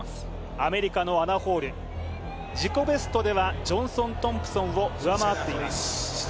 アメリカのアナ・ホール、自己ベストではジョンソン・トンプソンを上回っています。